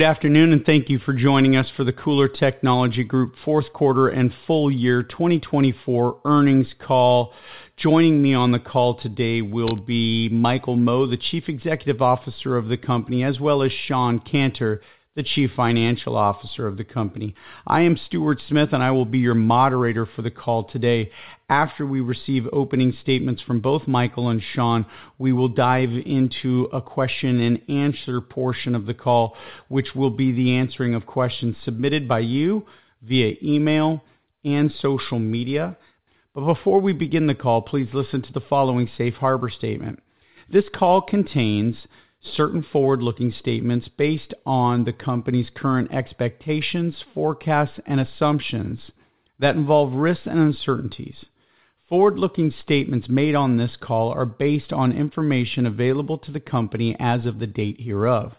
Good afternoon, and thank you for joining us for the KULR Technology Group Fourth Quarter and Full Year 2024 Earnings Call. Joining me on the call today will be Michael Mo, the Chief Executive Officer of the company, as well as Shawn Canter, the Chief Financial Officer of the company. I am Stuart Smith, and I will be your moderator for the call today. After we receive opening statements from both Michael and Shawn, we will dive into a question-and-answer portion of the call, which will be the answering of questions submitted by you via email and social media. Before we begin the call, please listen to the following safe harbor statement. This call contains certain forward-looking statements based on the company's current expectations, forecasts, and assumptions that involve risks and uncertainties. Forward-looking statements made on this call are based on information available to the company as of the date hereof.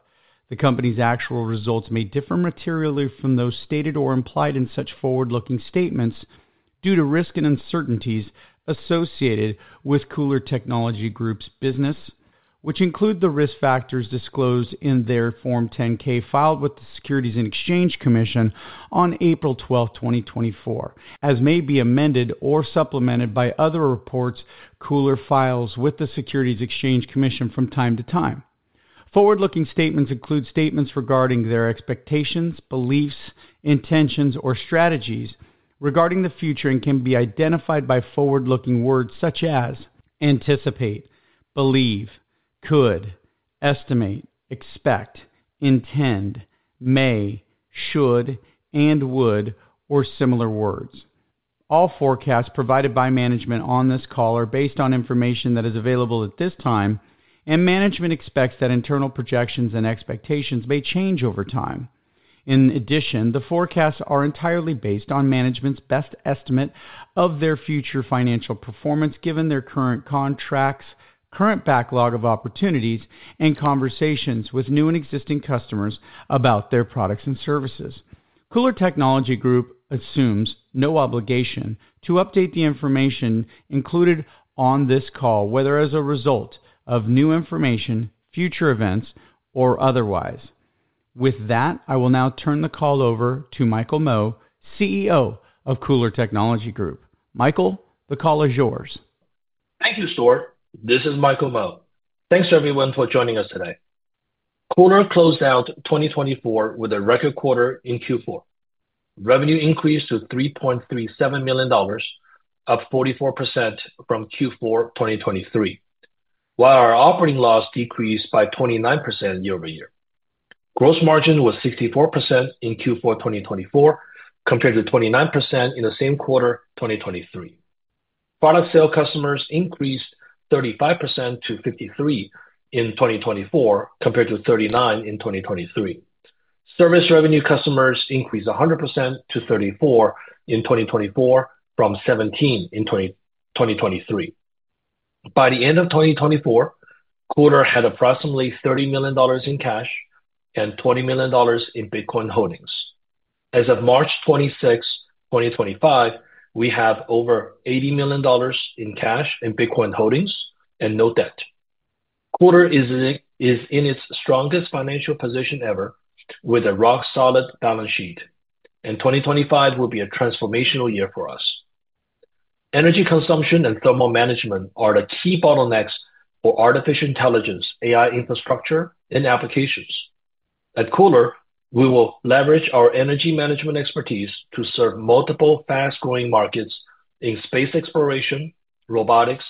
The company's actual results may differ materially from those stated or implied in such forward-looking statements due to risks and uncertainties associated with KULR Technology Group's business, which include the risk factors disclosed in their Form 10-K filed with the Securities and Exchange Commission on April 12, 2024, as may be amended or supplemented by other reports KULR files with the Securities and Exchange Commission from time to time. Forward-looking statements include statements regarding their expectations, beliefs, intentions, or strategies regarding the future and can be identified by forward-looking words such as anticipate, believe, could, estimate, expect, intend, may, should, and would, or similar words. All forecasts provided by management on this call are based on information that is available at this time, and management expects that internal projections and expectations may change over time. In addition, the forecasts are entirely based on management's best estimate of their future financial performance given their current contracts, current backlog of opportunities, and conversations with new and existing customers about their products and services. KULR Technology Group assumes no obligation to update the information included on this call, whether as a result of new information, future events, or otherwise. With that, I will now turn the call over to Michael Mo, CEO of KULR Technology Group. Michael, the call is yours. Thank you, Stuart. This is Michael Mo. Thanks, everyone, for joining us today. KULR closed out 2024 with a record quarter in Q4. Revenue increased to $3.37 million, up 44% from Q4 2023, while our operating loss decreased by 29% year-over-year. Gross margin was 64% in Q4 2024 compared to 29% in the same quarter 2023. Product sale customers increased 35% to 53% in 2024 compared to 39% in 2023. Service revenue customers increased 100% to 34% in 2024 from 17% in 2023. By the end of 2024, KULR had approximately $30 million in cash and $20 million in Bitcoin holdings. As of March 26, 2025, we have over $80 million in cash and Bitcoin holdings and no debt. KULR is in its strongest financial position ever with a rock-solid balance sheet, and 2025 will be a transformational year for us. Energy consumption and thermal management are the key bottlenecks for artificial intelligence, AI infrastructure, and applications. At KULR, we will leverage our energy management expertise to serve multiple fast-growing markets in space exploration, robotics,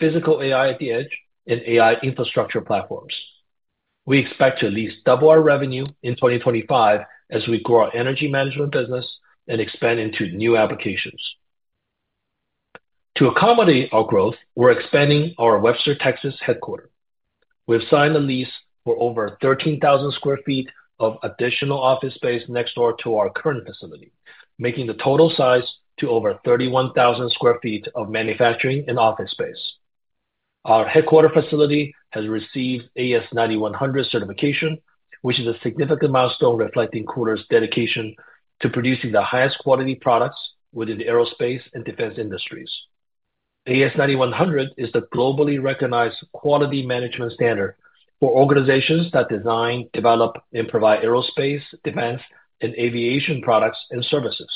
physical AI at the edge, and AI infrastructure platforms. We expect to at least double our revenue in 2025 as we grow our energy management business and expand into new applications. To accommodate our growth, we're expanding our Webster, Texas headquarters. We've signed a lease for over 13,000 sq ft of additional office space next door to our current facility, making the total size to over 31,000 sq ft of manufacturing and office space. Our headquarters facility has received AS9100 certification, which is a significant milestone reflecting KULR's dedication to producing the highest quality products within the aerospace and defense industries. AS9100 is the globally recognized quality management standard for organizations that design, develop, and provide aerospace, defense, and aviation products and services.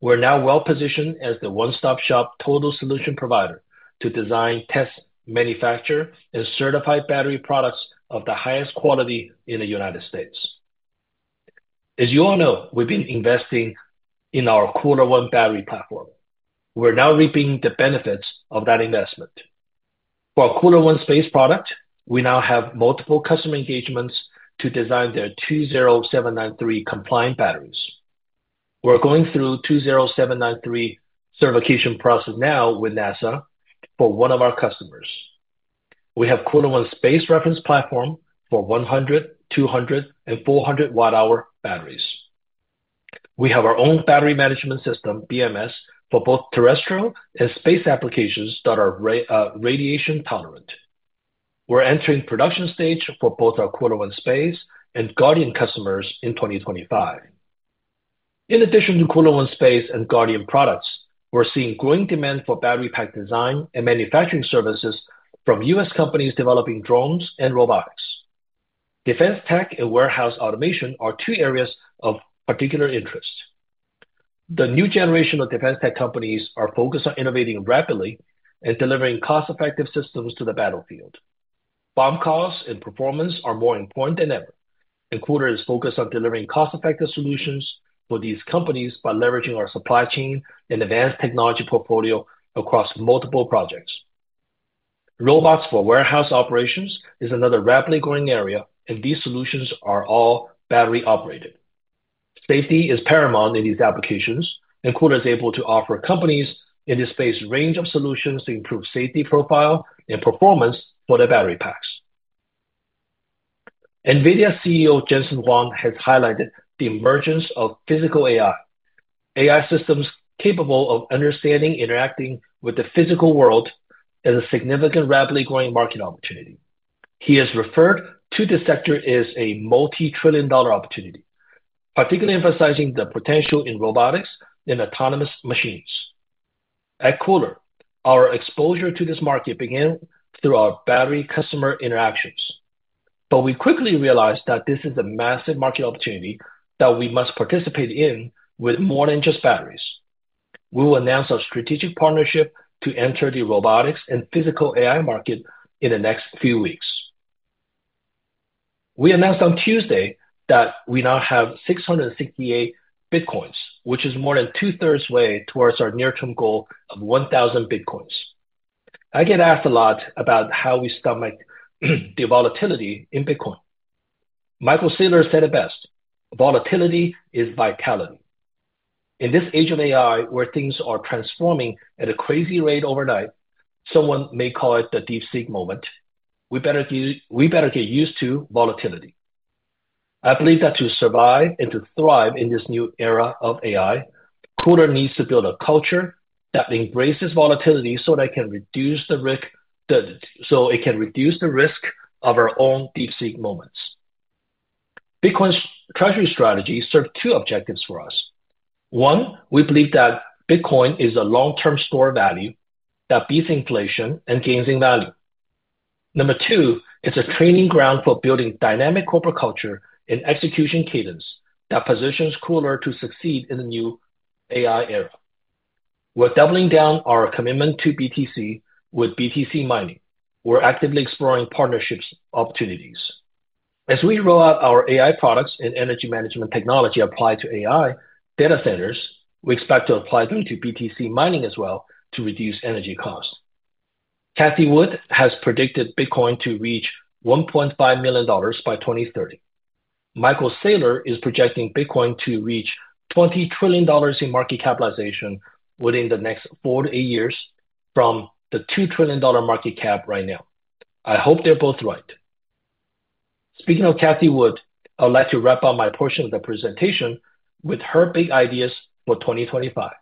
We're now well-positioned as the one-stop-shop total solution provider to design, test, manufacture, and certify battery products of the highest quality in the United States. As you all know, we've been investing in our KULR ONE battery platform. We're now reaping the benefits of that investment. For KULR ONE Space product, we now have multiple customer engagements to design their 20793 compliant batteries. We're going through the 20793 certification process now with NASA for one of our customers. We have KULR ONE Space reference platform for 100, 200, and 400-watt-hour batteries. We have our own battery management system, BMS, for both terrestrial and space applications that are radiation tolerant. We're entering the production stage for both KULR ONE Space and Guardian customers in 2025. In addition KULR ONE Space and Guardian products, we're seeing growing demand for battery-pack design and manufacturing services from U.S. companies developing drones and robotics. Defense tech and warehouse automation are two areas of particular interest. The new generation of defense tech companies are focused on innovating rapidly and delivering cost-effective systems to the battlefield. Bomb costs and performance are more important than ever, and KULR is focused on delivering cost-effective solutions for these companies by leveraging our supply chain and advanced technology portfolio across multiple projects. Robots for warehouse operations is another rapidly growing area, and these solutions are all battery-operated. Safety is paramount in these applications, and KULR is able to offer companies in this space a range of solutions to improve safety profile and performance for their battery packs. NVIDIA CEO Jensen Huang has highlighted the emergence of physical AI. AI systems capable of understanding and interacting with the physical world is a significant, rapidly growing market opportunity. He has referred to the sector as a multi-trillion-dollar opportunity, particularly emphasizing the potential in robotics and autonomous machines. At KULR, our exposure to this market began through our battery customer interactions, but we quickly realized that this is a massive market opportunity that we must participate in with more than just batteries. We will announce our strategic partnership to enter the robotics and physical AI market in the next few weeks. We announced on Tuesday that we now have 668 Bitcoins, which is more than two-thirds way towards our near-term goal of 1,000 Bitcoins. I get asked a lot about how we stomach the volatility in Bitcoin. Michael Saylor said it best, "Volatility is vitality." In this age of AI, where things are transforming at a crazy rate overnight, someone may call it the DeepSeek moment. We better get used to volatility. I believe that to survive and to thrive in this new era of AI, KULR needs to build a culture that embraces volatility so that it can reduce the risk of our own DeepSeek moments. Bitcoin's treasury strategy serves two objectives for us. One, we believe that Bitcoin is a long-term store of value that beats inflation and gains in value. Number two, it's a training ground for building dynamic corporate culture and execution cadence that positions KULR to succeed in the new AI era. We're doubling down our commitment to BTC with BTC mining. We're actively exploring partnership opportunities. As we roll out our AI products and energy management technology applied to AI data centers, we expect to apply them to BTC mining as well to reduce energy costs. Cathie Wood has predicted Bitcoin to reach $1.5 million by 2030. Michael Saylor is projecting Bitcoin to reach $20 trillion in market capitalization within the next four to eight years from the $2 trillion market cap right now. I hope they're both right. Speaking of Cathie Wood, I would like to wrap up my portion of the presentation with her big ideas for 2025: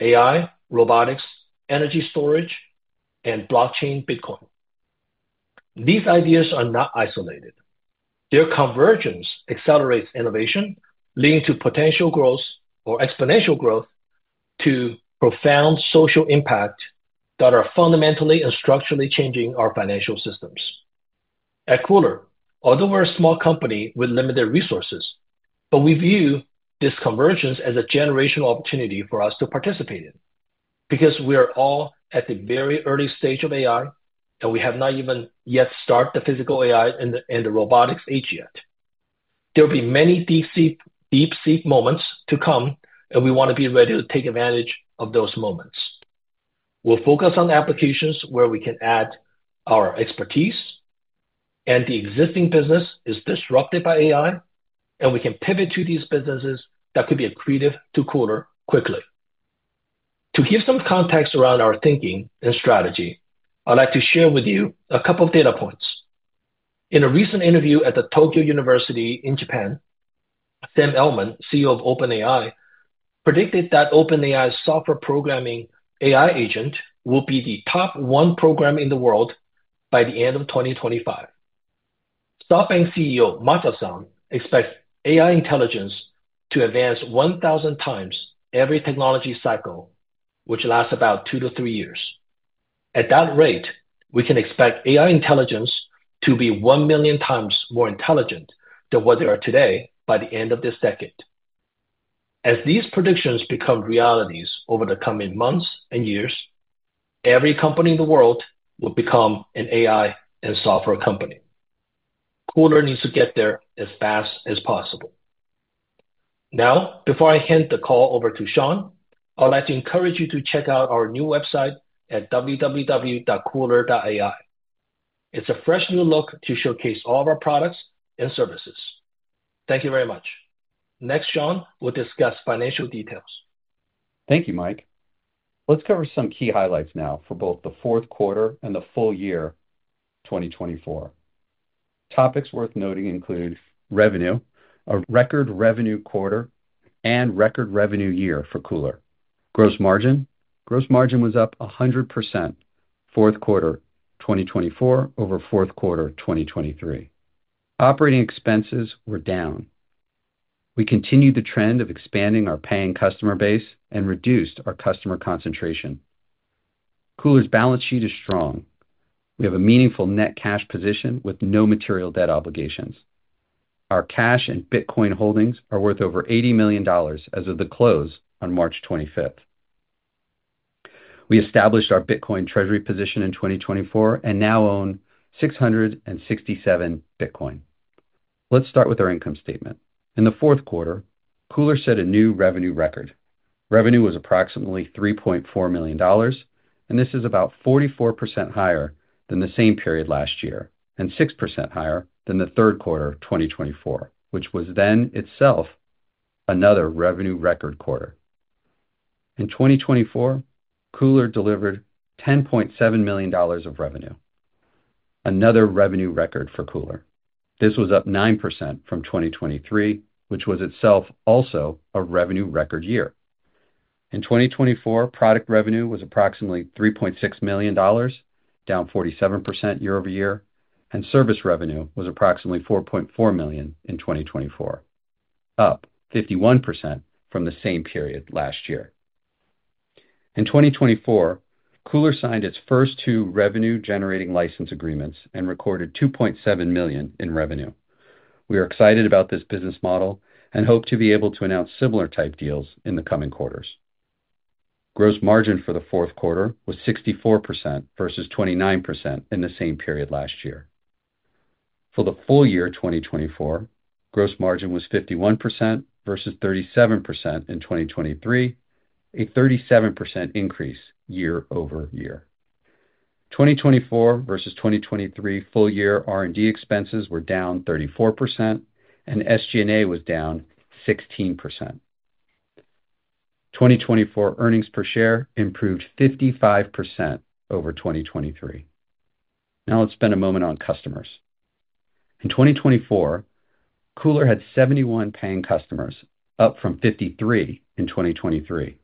AI, robotics, energy storage, and blockchain Bitcoin. These ideas are not isolated. Their convergence accelerates innovation, leading to potential growth or exponential growth to profound social impact that are fundamentally and structurally changing our financial systems. At KULR, although we're a small company with limited resources, we view these convergences as a generational opportunity for us to participate in because we are all at the very early stage of AI, and we have not even yet started the physical AI and the robotics age yet. There will be many DeepSeek moments to come, and we want to be ready to take advantage of those moments. We'll focus on applications where we can add our expertise, and the existing business is disrupted by AI, and we can pivot to these businesses that could be accretive to KULR quickly. To give some context around our thinking and strategy, I'd like to share with you a couple of data points. In a recent interview at Tokyo University in Japan, Sam Altman, CEO of OpenAI, predicted that OpenAI's software programming AI agent will be the top one program in the world by the end of 2025. SoftBank CEO Masayoshi Son expects AI intelligence to advance 1,000 times every technology cycle, which lasts about two to three years. At that rate, we can expect AI intelligence to be 1 million times more intelligent than what they are today by the end of this decade. As these predictions become realities over the coming months and years, every company in the world will become an AI and software company. KULR needs to get there as fast as possible. Now, before I hand the call over to Shawn, I'd like to encourage you to check out our new website at www.kulr.ai. It's a fresh new look to showcase all of our products and services. Thank you very much. Next, Shawn will discuss financial details. Thank you, Mike. Let's cover some key highlights now for both the fourth quarter and the full year 2024. Topics worth noting include revenue, a record revenue quarter, and record revenue year for KULR. Gross margin. Gross margin was up 100% fourth quarter 2024 over fourth quarter 2023. Operating expenses were down. We continued the trend of expanding our paying customer base and reduced our customer concentration. KULR's balance sheet is strong. We have a meaningful net cash position with no material debt obligations. Our cash and Bitcoin holdings are worth over $80 million as of the close on March 25th. We established our Bitcoin treasury position in 2024 and now own 667 Bitcoin. Let's start with our income statement. In the fourth quarter, KULR set a new revenue record. Revenue was approximately $3.4 million, and this is about 44% higher than the same period last year and 6% higher than the third quarter 2024, which was then itself another revenue record quarter. In 2024, KULR delivered $10.7 million of revenue, another revenue record for KULR. This was up 9% from 2023, which was itself also a revenue record year. In 2024, product revenue was approximately $3.6 million, down 47% year-over-year, and service revenue was approximately $4.4 million in 2024, up 51% from the same period last year. In 2024, KULR signed its first two revenue-generating license agreements and recorded $2.7 million in revenue. We are excited about this business model and hope to be able to announce similar type deals in the coming quarters. Gross margin for the fourth quarter was 64% versus 29% in the same period last year. For the full year 2024, gross margin was 51% versus 37% in 2023, a 37% increase year-over-year. 2024 versus 2023 full year R&D expenses were down 34%, and SG&A was down 16%. 2024 earnings per share improved 55% over 2023. Now let's spend a moment on customers. In 2024, KULR had 71 paying customers, up from 53 in 2023.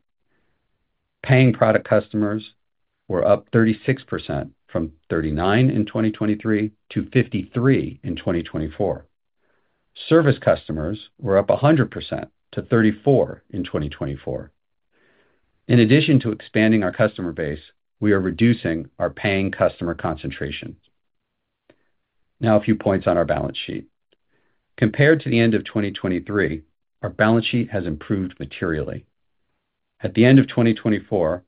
Paying product customers were up 36% from 39 in 2023 to 53 in 2024. Service customers were up 100% to 34 in 2024. In addition to expanding our customer base, we are reducing our paying customer concentration. Now a few points on our balance sheet. Compared to the end of 2023, our balance sheet has improved materially. At the end of 2024,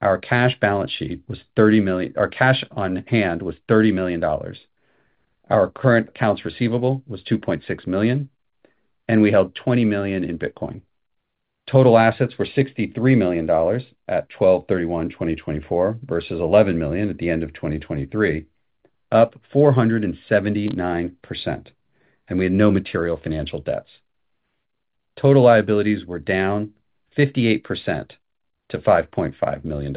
our cash balance sheet was $30 million, our cash on hand was $30 million. Our current accounts receivable was $2.6 million, and we held $20 million in Bitcoin. Total assets were $63 million at 12/31/2024 versus $11 million at the end of 2023, up 479%, and we had no material financial debts. Total liabilities were down 58% to $5.5 million.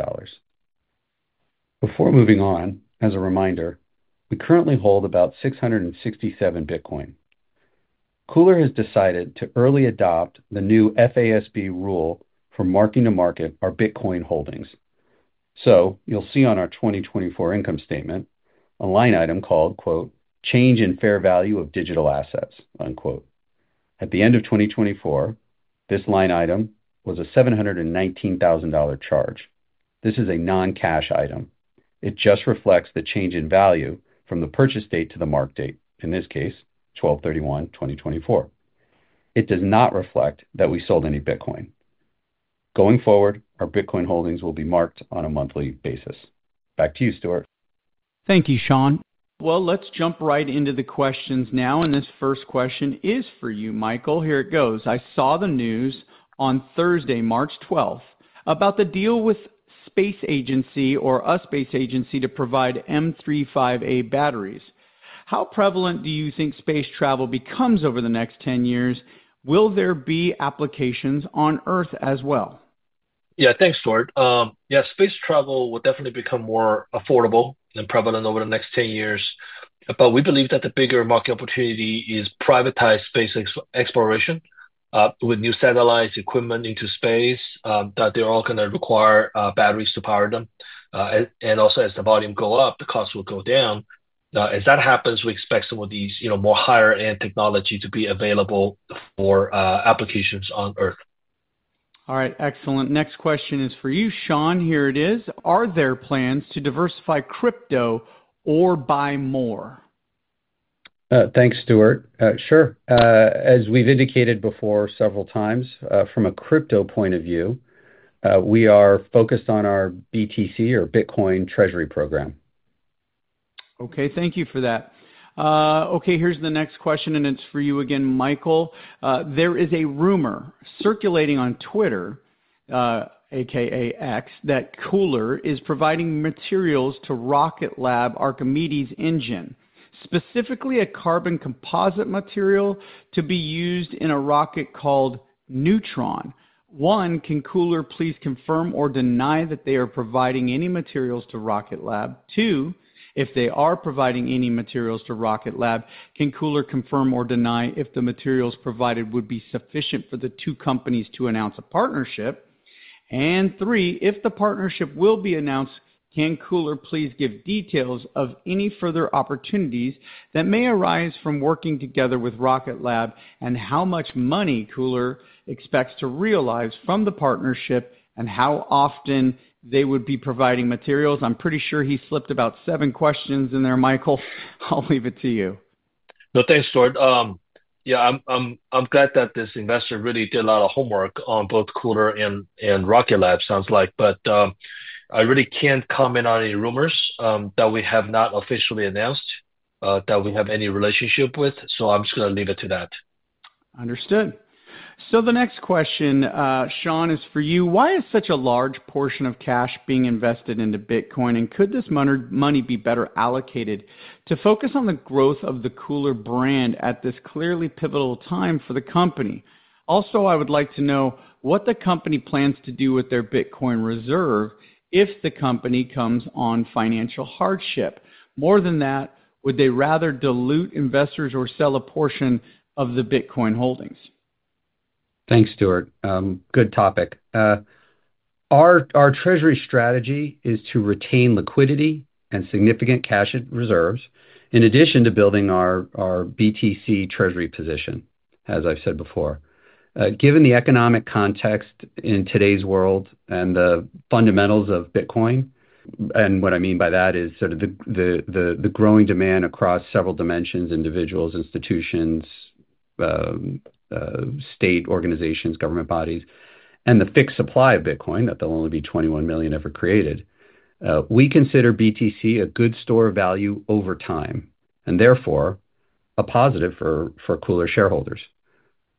Before moving on, as a reminder, we currently hold about 667 Bitcoin. KULR has decided to early adopt the new FASB rule for marking to market our Bitcoin holdings. You'll see on our 2024 income statement a line item called, "Change in fair value of digital assets." At the end of 2024, this line item was a $719,000 charge. This is a non-cash item. It just reflects the change in value from the purchase date to the mark date, in this case, 12/31/2024. It does not reflect that we sold any Bitcoin. Going forward, our Bitcoin holdings will be marked on a monthly basis. Back to you, Stuart. Thank you, Shawn. Let's jump right into the questions now. This first question is for you, Michael. Here it goes. I saw the news on Thursday, March 12, about the deal with a space agency to provide M35A batteries. How prevalent do you think space travel becomes over the next 10 years? Will there be applications on Earth as well? Yeah, thanks, Stuart. Yeah, space travel will definitely become more affordable and prevalent over the next 10 years. We believe that the bigger market opportunity is privatized space exploration with new satellites, equipment into space that they are all going to require batteries to power them. Also, as the volume goes up, the cost will go down. As that happens, we expect some of these more higher-end technologies to be available for applications on Earth. All right, excellent. Next question is for you, Shawn. Here it is. Are there plans to diversify crypto or buy more? Thanks, Stuart. Sure. As we've indicated before several times, from a crypto point of view, we are focused on our BTC or Bitcoin treasury program. Okay, thank you for that. Okay, here's the next question, and it's for you again, Michael. There is a rumor circulating on Twitter, aka X, that KULR is providing materials to Rocket Lab Archimedes' engine, specifically a carbon composite material to be used in a rocket called Neutron. One, can KULR please confirm or deny that they are providing any materials to Rocket Lab? Two, if they are providing any materials to Rocket Lab, can KULR confirm or deny if the materials provided would be sufficient for the two companies to announce a partnership? And three, if the partnership will be announced, can KULR please give details of any further opportunities that may arise from working together with Rocket Lab and how much money KULR expects to realize from the partnership and how often they would be providing materials? I'm pretty sure he slipped about seven questions in there, Michael. I'll leave it to you. No, thanks, Stuart. Yeah, I'm glad that this investor really did a lot of homework on both KULR and Rocket Lab, sounds like. I really can't comment on any rumors that we have not officially announced that we have any relationship with. I'm just going to leave it to that. Understood. The next question, Shawn, is for you. Why is such a large portion of cash being invested into Bitcoin? Could this money be better allocated to focus on the growth of the KULR brand at this clearly pivotal time for the company? Also, I would like to know what the company plans to do with their Bitcoin reserve if the company comes on financial hardship. More than that, would they rather dilute investors or sell a portion of the Bitcoin holdings? Thanks, Stuart. Good topic. Our treasury strategy is to retain liquidity and significant cash reserves in addition to building our BTC treasury position, as I've said before. Given the economic context in today's world and the fundamentals of Bitcoin, and what I mean by that is sort of the growing demand across several dimensions: individuals, institutions, state organizations, government bodies, and the fixed supply of Bitcoin that there'll only be 21 million ever created, we consider BTC a good store of value over time and therefore a positive for KULR shareholders.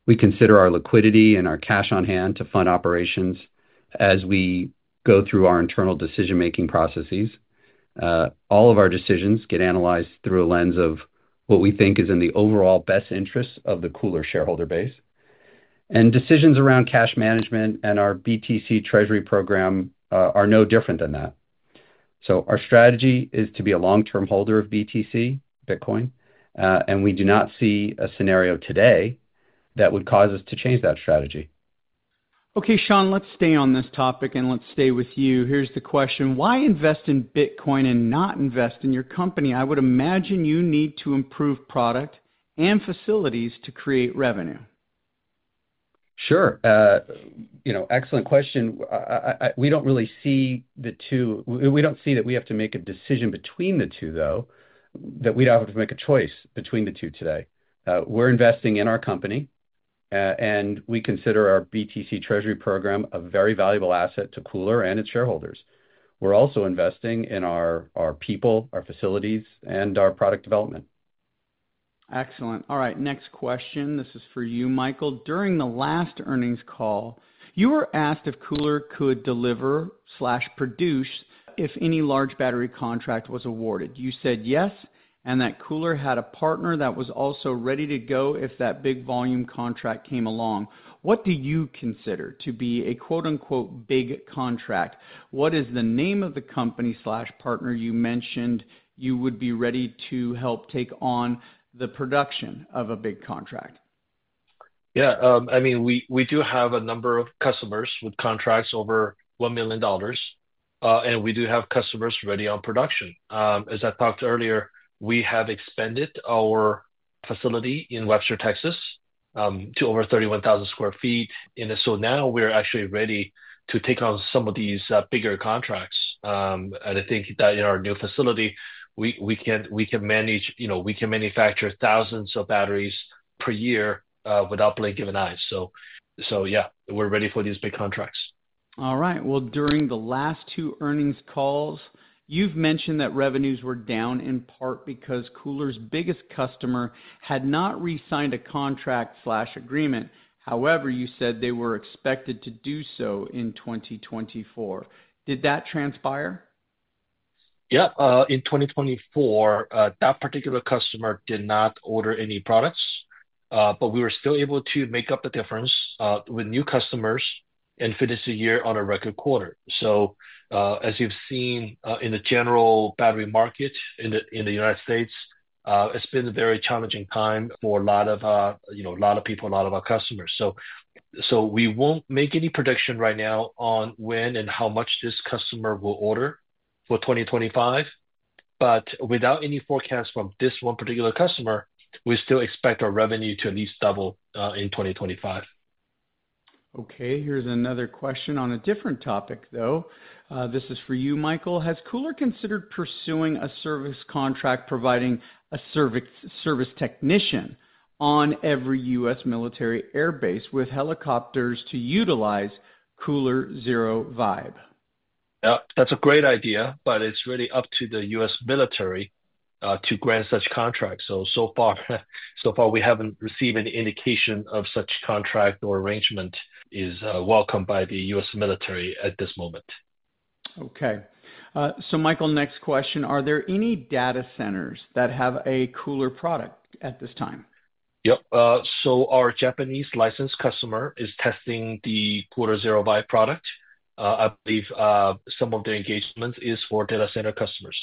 We consider our liquidity and our cash on hand to fund operations as we go through our internal decision-making processes. All of our decisions get analyzed through a lens of what we think is in the overall best interests of the KULR shareholder base. Decisions around cash management and our BTC treasury program are no different than that. Our strategy is to be a long-term holder of BTC, Bitcoin, and we do not see a scenario today that would cause us to change that strategy. Okay, Shawn, let's stay on this topic and let's stay with you. Here's the question. Why invest in Bitcoin and not invest in your company? I would imagine you need to improve product and facilities to create revenue. Sure. You know, excellent question. We do not really see the two; we do not see that we have to make a decision between the two, though, that we would have to make a choice between the two today. We are investing in our company, and we consider our BTC treasury program a very valuable asset to KULR and its shareholders. We are also investing in our people, our facilities, and our product development. Excellent. All right, next question. This is for you, Michael. During the last earnings call, you were asked if KULR could deliver or produce if any large battery contract was awarded. You said yes, and that KULR had a partner that was also ready to go if that big volume contract came along. What do you consider to be a "big contract"? What is the name of the company or partner you mentioned you would be ready to help take on the production of a big contract? Yeah, I mean, we do have a number of customers with contracts over $1 million, and we do have customers ready on production. As I talked earlier, we have expanded our facility in Webster, Texas, to over 31,000 sq ft. Now we are actually ready to take on some of these bigger contracts. I think that in our new facility, we can manage, you know, we can manufacture thousands of batteries per year without blinking an eye. Yeah, we are ready for these big contracts. All right. During the last two earnings calls, you've mentioned that revenues were down in part because KULR's biggest customer had not re-signed a contract or agreement. However, you said they were expected to do so in 2024. Did that transpire? Yeah, in 2024, that particular customer did not order any products, but we were still able to make up the difference with new customers and finish the year on a record quarter. As you've seen in the general battery market in the United States, it's been a very challenging time for a lot of, you know, a lot of people, a lot of our customers. We won't make any prediction right now on when and how much this customer will order for 2025. Without any forecast from this one particular customer, we still expect our revenue to at least double in 2025. Okay, here's another question on a different topic, though. This is for you, Michael. Has KULR considered pursuing a service contract providing a service technician on every U.S. military airbase with helicopters to utilize KULR Zero Vibe? That's a great idea, but it's really up to the U.S. military to grant such contracts. So far, we haven't received any indication of such contract or arrangement. It is welcomed by the U.S. military at this moment. Okay. Michael, next question. Are there any data centers that have a KULR product at this time? Yep. Our Japanese licensed customer is testing the KULR Zero Vibe product. I believe some of their engagements are for data center customers.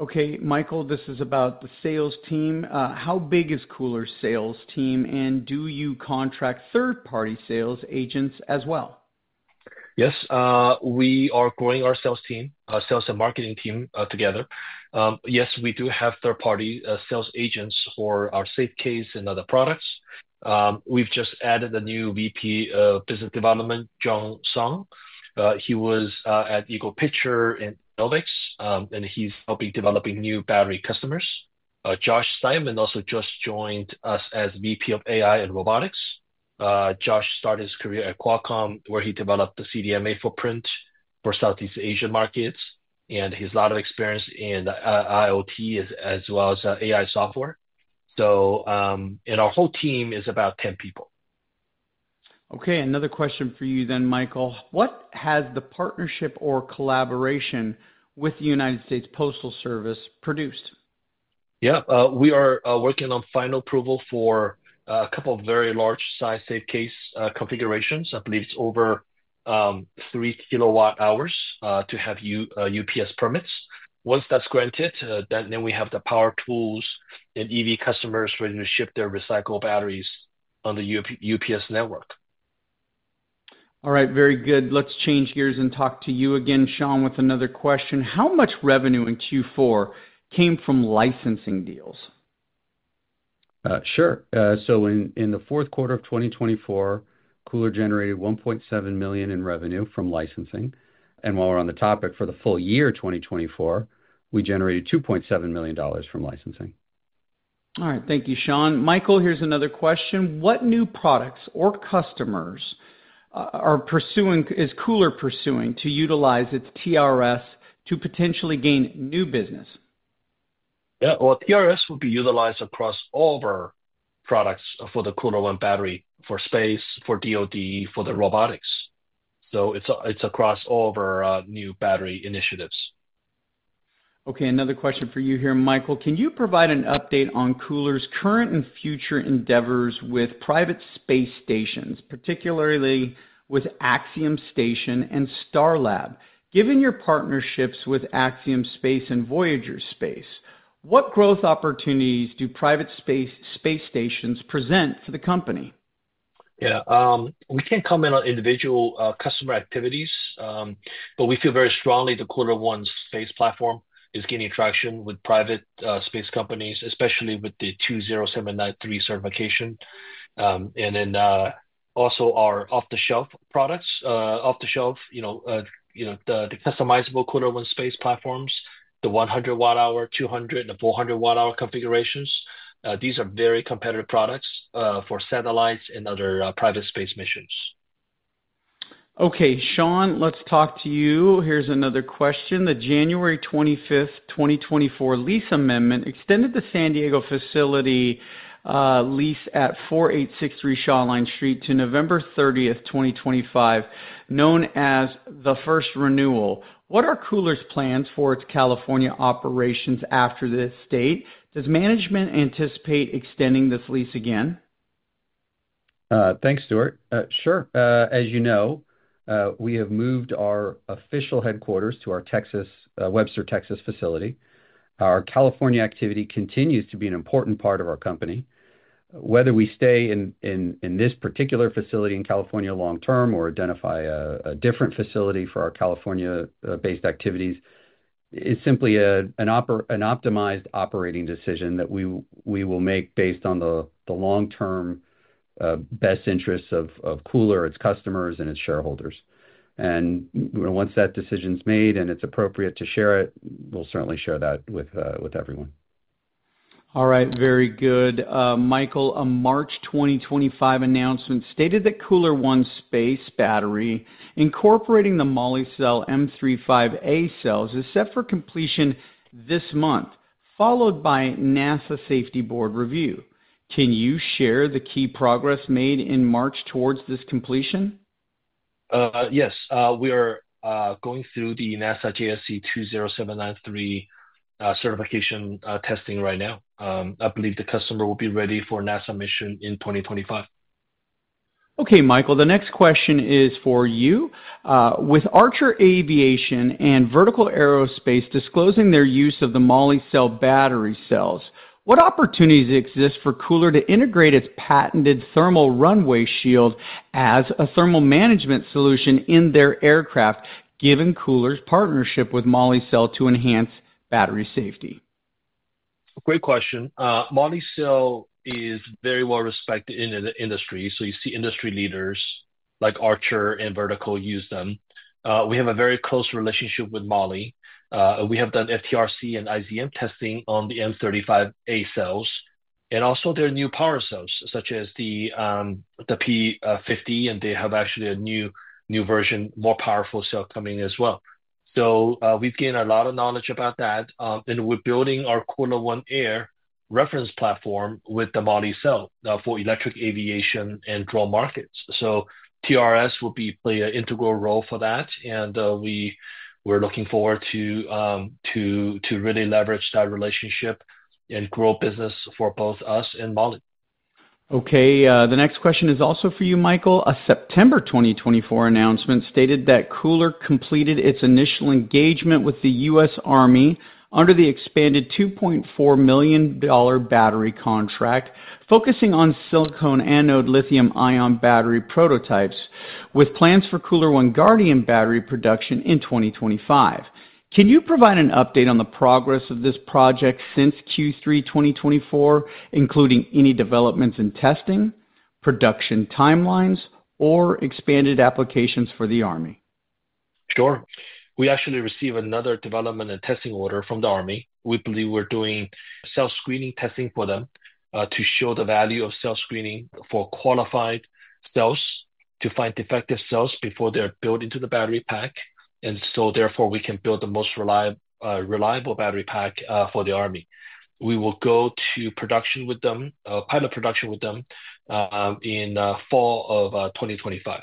Okay, Michael, this is about the sales team. How big is KULR's sales team, and do you contract third-party sales agents as well? Yes, we are growing our sales team, our sales and marketing team together. Yes, we do have third-party sales agents for our SafeCase and other products. We've just added a new VP of Business Development, John Song. He was at EaglePicher in Lubbock, and he's helping develop new battery customers. Josh Steinman also just joined us as VP of AI and Robotics. Josh started his career at Qualcomm, where he developed the CDMA footprint for Southeast Asian markets, and he has a lot of experience in IoT as well as AI software. Our whole team is about 10 people. Okay, another question for you then, Michael. What has the partnership or collaboration with the United States Postal Service produced? Yeah, we are working on final approval for a couple of very large-sized SafeCase configurations. I believe it's over 3 kWh to have UPS permits. Once that's granted, then we have the power tools and EV customers ready to ship their recycle batteries on the UPS network. All right, very good. Let's change gears and talk to you again, Shawn, with another question. How much revenue in Q4 came from licensing deals? Sure. In the fourth quarter of 2024, KULR generated $1.7 million in revenue from licensing. While we're on the topic, for the full year 2024, we generated $2.7 million from licensing. All right, thank you, Shawn. Michael, here's another question. What new products or customers is KULR pursuing to utilize its TRS to potentially gain new business? Yeah, well, TRS will be utilized across all of our products for the KULR ONE battery for space, for DOD, for the robotics. It is across all of our new battery initiatives. Okay, another question for you here, Michael. Can you provide an update on KULR's current and future endeavors with private space stations, particularly with Axiom Station and Starlab? Given your partnerships with Axiom Space and Voyager Space, what growth opportunities do private space stations present for the company? Yeah, we can't comment on individual customer activities, but we feel very strongly KULR ONE Space platform is gaining traction with private space companies, especially with the 20793 certification. Also, our off-the-shelf products, you know, the KULR ONE Space platforms, the 100 Wh 200 and the 400 Wh configurations. These are very competitive products for satellites and other private space missions. Okay, Shawn, let's talk to you. Here's another question. The January 25, 2024 lease amendment extended the San Diego facility lease at 4863 Shawline Street to November 30, 2025, known as the first renewal. What are KULR's plans for its California operations after this date? Does management anticipate extending this lease again? Thanks, Stuart. Sure. As you know, we have moved our official headquarters to our Texas, Webster, Texas facility. Our California activity continues to be an important part of our company. Whether we stay in this particular facility in California long-term or identify a different facility for our California-based activities is simply an optimized operating decision that we will make based on the long-term best interests of KULR, its customers, and its shareholders. Once that decision's made and it's appropriate to share it, we'll certainly share that with everyone. All right, very good. Michael, a March 2025 announcement stated KULR ONE Space battery incorporating the Molicel M35A cells is set for completion this month, followed by NASA Safety Board review. Can you share the key progress made in March towards this completion? Yes, we are going through the NASA JSC 20793 certification testing right now. I believe the customer will be ready for NASA mission in 2025. Okay, Michael, the next question is for you. With Archer Aviation and Vertical Aerospace disclosing their use of the Molicel battery cells, what opportunities exist for KULR to integrate its patented Thermal Runaway Shield as a thermal management solution in their aircraft, given KULR's partnership with Molicel to enhance battery safety? Great question. Molicel is very well respected in the industry. You see industry leaders like Archer and Vertical use them. We have a very close relationship with Moli. We have done FTRC and IZM testing on the M35A cells and also their new power cells, such as the P50, and they have actually a new version, more powerful cell coming as well. We have gained a lot of knowledge about that, and we are building KULR ONE Air reference platform with the Molicel for electric aviation and drone markets. TRS will play an integral role for that, and we are looking forward to really leverage that relationship and grow business for both us and Moli. Okay, the next question is also for you, Michael. A September 2024 announcement stated that KULR completed its initial engagement with the U.S. Army under the expanded $2.4 million battery contract, focusing on silicon anode lithium-ion battery prototypes, with plans for KULR ONE Guardian battery production in 2025. Can you provide an update on the progress of this project since Q3 2024, including any developments in testing, production timelines, or expanded applications for the Army? Sure. We actually received another development and testing order from the Army. We believe we're doing cell screening testing for them to show the value of cell screening for qualified cells to find defective cells before they're built into the battery pack. Therefore, we can build the most reliable battery pack for the Army. We will go to production with them, pilot production with them in the fall of 2025.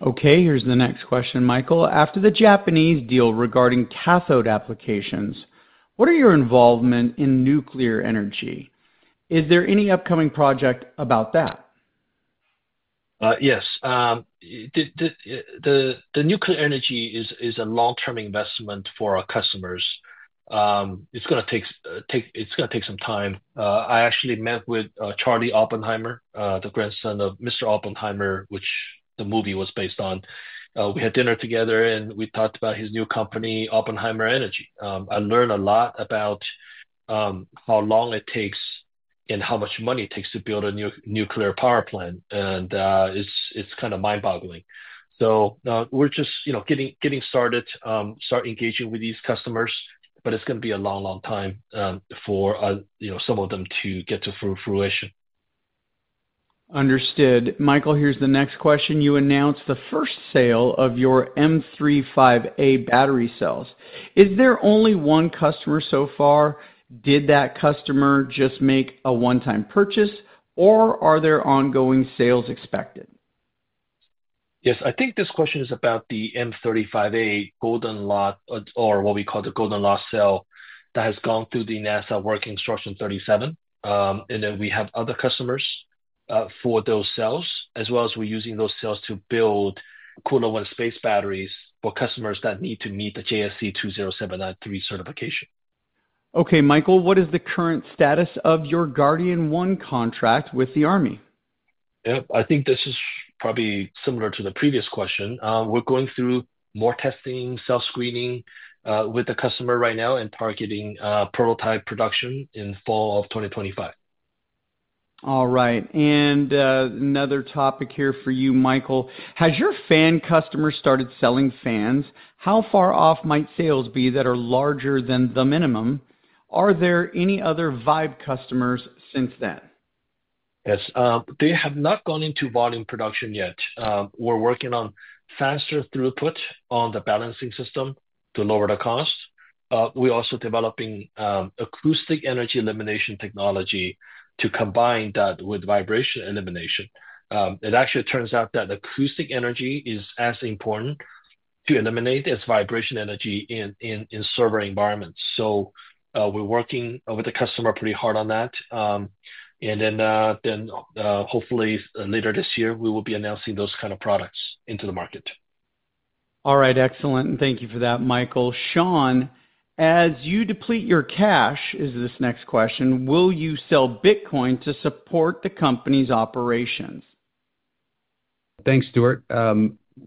Okay, here's the next question, Michael. After the Japanese deal regarding cathode applications, what is your involvement in nuclear energy? Is there any upcoming project about that? Yes, the nuclear energy is a long-term investment for our customers. It's going to take some time. I actually met with Charlie Oppenheimer, the grandson of Mr. Oppenheimer, which the movie was based on. We had dinner together, and we talked about his new company, Oppenheimer Energy. I learned a lot about how long it takes and how much money it takes to build a nuclear power plant, and it's kind of mind-boggling. We're just, you know, getting started, starting engaging with these customers, but it's going to be a long, long time for some of them to get to fruition. Understood. Michael, here's the next question. You announced the first sale of your M35A battery cells. Is there only one customer so far? Did that customer just make a one-time purchase, or are there ongoing sales expected? Yes, I think this question is about the M35A Golden Lot, or what we call the Golden Lot cell that has gone through the NASA Work Instruction 37. Then we have other customers for those cells, as well as we're using those cells to KULR ONE Space batteries for customers that need to meet the JSC 20793 certification. Okay, Michael, what is the current status of your Guardian One contract with the Army? Yeah, I think this is probably similar to the previous question. We're going through more testing, cell screening with the customer right now, and targeting prototype production in fall of 2025. All right, and another topic here for you, Michael. Has your fan customer started selling fans? How far off might sales be that are larger than the minimum? Are there any other VIBE customers since then? Yes, they have not gone into volume production yet. We are working on faster throughput on the balancing system to lower the cost. We are also developing acoustic energy elimination technology to combine that with vibration elimination. It actually turns out that acoustic energy is as important to eliminate as vibration energy in server environments. We are working with the customer pretty hard on that. Hopefully later this year, we will be announcing those kinds of products into the market. All right, excellent. Thank you for that, Michael. Shawn, as you deplete your cash, is this next question, will you sell Bitcoin to support the company's operations? Thanks, Stuart.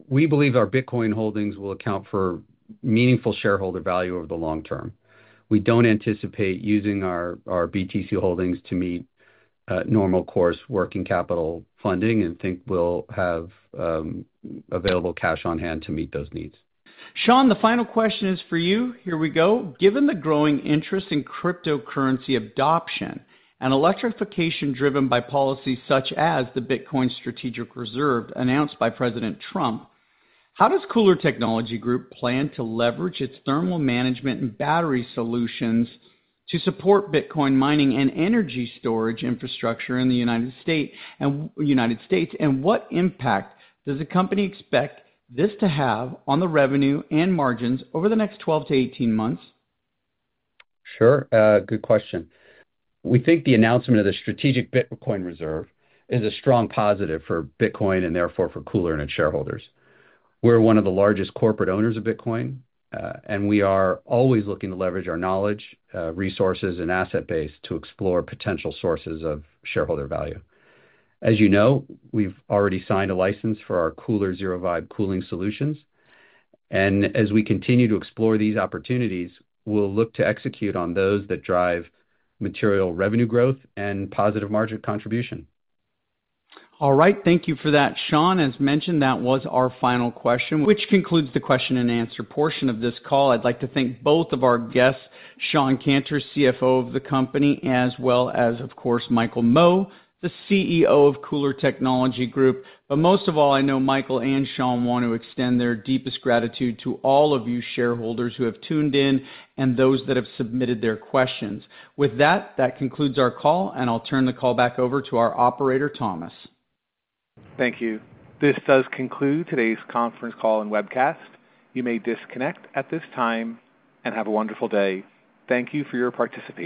We believe our Bitcoin holdings will account for meaningful shareholder value over the long term. We do not anticipate using our BTC holdings to meet normal course working capital funding and think we will have available cash on hand to meet those needs. Shawn, the final question is for you. Here we go. Given the growing interest in cryptocurrency adoption and electrification driven by policies such as the Bitcoin Strategic Reserve announced by President Trump, how does KULR Technology Group plan to leverage its thermal management and battery solutions to support Bitcoin mining and energy storage infrastructure in the United States? What impact does the company expect this to have on the revenue and margins over the next 12 to 18 months? Sure, good question. We think the announcement of the Strategic Bitcoin Reserve is a strong positive for Bitcoin and therefore for KULR and its shareholders. We're one of the largest corporate owners of Bitcoin, and we are always looking to leverage our knowledge, resources, and asset base to explore potential sources of shareholder value. As you know, we've already signed a license for our KULR Zero Vibe cooling solutions. As we continue to explore these opportunities, we'll look to execute on those that drive material revenue growth and positive margin contribution. All right, thank you for that, Shawn. As mentioned, that was our final question, which concludes the question and answer portion of this call. I'd like to thank both of our guests, Shawn Canter, CFO of the company, as well as, of course, Michael Mo, the CEO of KULR Technology Group. Most of all, I know Michael and Shawn want to extend their deepest gratitude to all of you shareholders who have tuned in and those that have submitted their questions. With that, that concludes our call, and I'll turn the call back over to our operator, Thomas. Thank you. This does conclude today's conference call and webcast. You may disconnect at this time and have a wonderful day. Thank you for your participation.